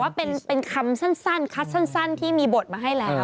ว่าเป็นคำสั้นคัดสั้นที่มีบทมาให้แล้ว